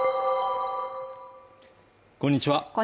こんにちは